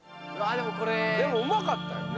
でもうまかったよね